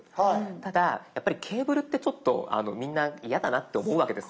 ただやっぱりケーブルってちょっとみんな嫌だなって思うわけです。